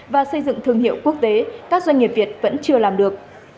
và xây dựng thương hiệu quốc tế các doanh nghiệp việt vẫn chưa làm được